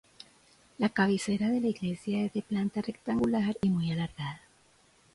La cabecera de la iglesia es de planta rectangular y muy alargada.